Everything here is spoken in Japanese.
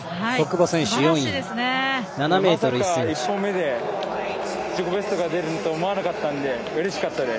まさか１本目で自己ベストが出ると思わなかったんでうれしかったです。